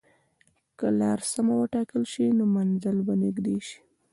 که لار سمه وټاکل شي، نو منزل به نږدې شي.